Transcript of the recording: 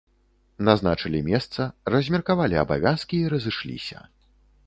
Назначылі месца, размеркавалі абавязкі і разышліся.